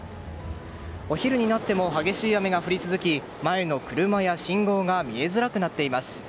お昼になっても激しい雨が降り続き前の車や信号が見えづらくなっています。